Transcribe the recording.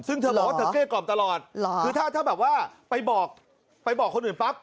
ซึ่งเธอบอกว่าเธอเกลี้กล่อมตลอดคือถ้าถ้าแบบว่าไปบอกไปบอกคนอื่นปั๊บ